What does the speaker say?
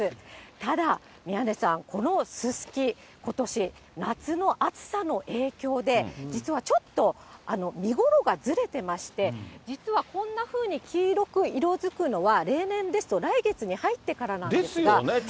ただ、宮根さん、このすすき、ことし夏の暑さの影響で、実はちょっと見頃がずれてまして、実はこんなふうに黄色く色づくのは、例年ですと、ですよね。